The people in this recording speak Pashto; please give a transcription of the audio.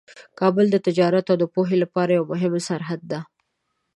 کابل د تجارت او پوهنې لپاره یوه مهمه سرحد ده.